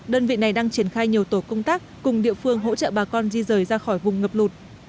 đơn vị này đang triển khai nhiều tổ công tác cùng địa phương hỗ trợ bà con di rời ra khỏi vùng ngập lụt